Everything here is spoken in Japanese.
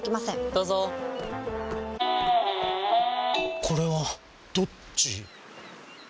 どうぞこれはどっち？